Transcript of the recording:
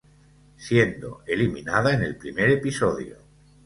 Siendo eliminada en el primer episodio.